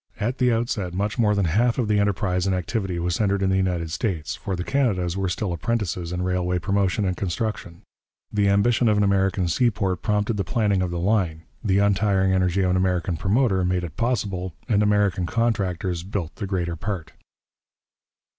At the outset much more than half of the enterprise and activity was centred in the United States, for the Canadas were still apprentices in railway promotion and construction. The ambition of an American seaport prompted the planning of the line, the untiring energy of an American promoter made it possible, and American contractors built the greater part.